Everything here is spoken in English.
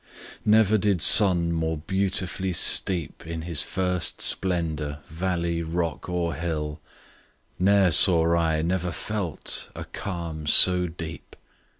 Never did sun more beautifully steep In his first splendour valley, rock, or hill; 10 Ne'er saw I, never felt, a calm so deep!